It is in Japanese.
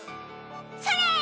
それ！